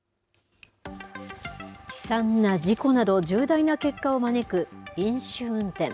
悲惨な事故など重大な結果を招く飲酒運転。